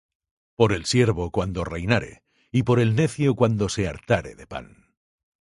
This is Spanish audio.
Por el siervo cuando reinare; Y por el necio cuando se hartare de pan;